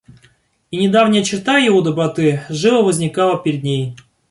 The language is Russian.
И недавняя черта его доброты живо возникала пред ней.